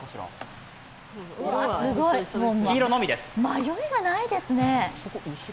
迷いがないですね。